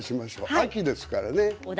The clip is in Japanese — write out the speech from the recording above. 秋ですからね。